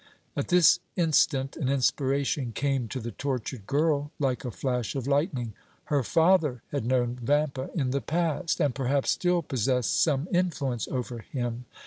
At this instant an inspiration came to the tortured girl like a flash of lightning. Her father had known Vampa in the past, and, perhaps, still possessed some influence over him.